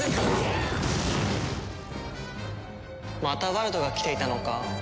またワルドが来ていたのか。